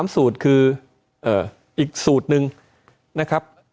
สูตรคืออีกสูตรหนึ่งนะครับ